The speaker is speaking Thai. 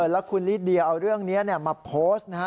แล้วคุณลิเดียเอาเรื่องนี้มาโพสต์นะฮะ